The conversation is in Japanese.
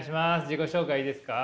自己紹介いいですか？